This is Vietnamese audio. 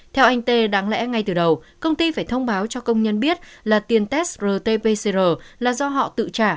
theo anh tê đáng lẽ ngay từ đầu công ty phải thông báo cho công nhân biết là tiền test rt pcr là do họ tự trả